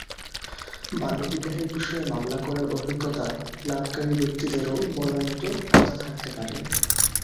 বাল্যবিবাহের বিষয়ে মামলা করার অভিজ্ঞতা লাভকারী ব্যক্তিদেরও বলার মতো কথা থাকতে পারে।